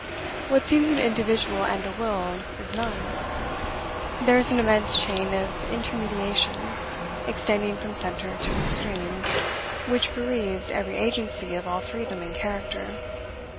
What seems an individual and a will, is none. There is an immense chain of intermediation, extending from center to extremes, which bereaves every agency of all freedom and character.